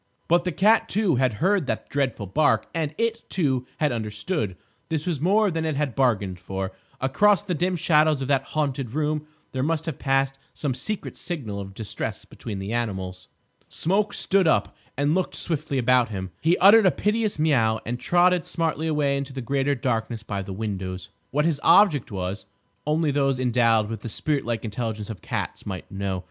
But the cat, too, had heard that dreadful bark; and it, too, had understood. This was more than it had bargained for. Across the dim shadows of that haunted room there must have passed some secret signal of distress between the animals. Smoke stood up and looked swiftly about him. He uttered a piteous meow and trotted smartly away into the greater darkness by the windows. What his object was only those endowed with the spirit like intelligence of cats might know.